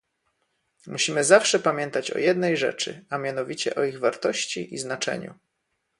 Musimy zawsze pamiętać o jednej rzeczy, a mianowicie o ich wartości i znaczeniu